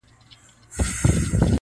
o زه د ابۍ مزدوره، ابۍ د کلي!